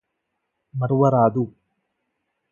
మఱువరాదు